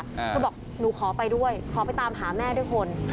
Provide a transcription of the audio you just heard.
คือบอกหนูขอไปด้วยขอไปตามหาแม่ด้วยคน